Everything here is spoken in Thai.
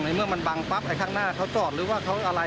เมื่อมันบังปั๊บไอ้ข้างหน้าเขาจอดหรือว่าเขาอะไร